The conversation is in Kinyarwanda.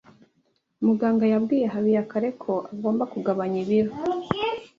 Muganga yabwiye Habiyakare ko agomba kugabanya ibiro.